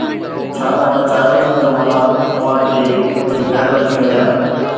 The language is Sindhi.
ڇا توهان چاهيو ٿا ته مان توهان کي هن جي گهر وٺي وڃان؟